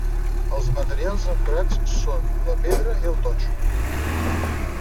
Els materials emprats són la pedra i el totxo.